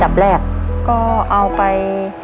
หนึ่งล้าน